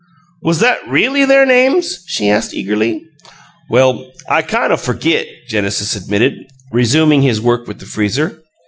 "Was that really their names?" she asked, eagerly. "Well, I kine o' fergit," Genesis admitted, resuming his work with the freezer.